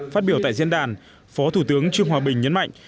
phát biểu tại diễn đàn phó thủ tướng trương hòa bình nhấn mạnh